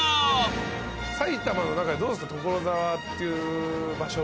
埼玉の中でどうですか？